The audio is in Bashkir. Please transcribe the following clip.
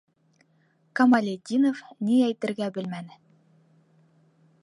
- Камалетдинов ни әйтергә белмәне.